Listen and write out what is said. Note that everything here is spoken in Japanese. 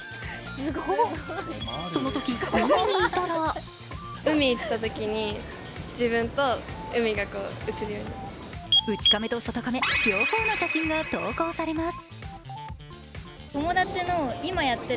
そのとき、海にいたら内カメと外カメ両方の写真が投稿されます。